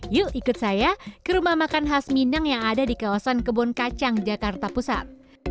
yuk ikut saya ke rumah makan khas minang yang ada di kawasan kebon kacang jakarta pusat